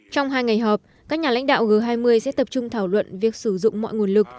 trong hai ngày họp các nhà lãnh đạo g hai mươi sẽ tập trung thảo luận việc sử dụng mọi nguồn lực